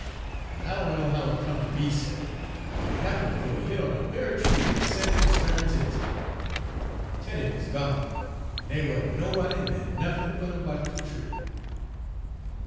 En I dunno how it come to be so, but he happen fer ter hit on de ve'y tree w'at Sandy wuz turns inter. Tenie wuz gone, en dey wa'n't nobody ner nuffin fer ter watch de tree.